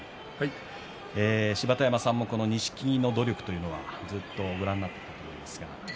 芝田山さんもこの錦木の努力というのはずっとご覧になっていたと思いますが。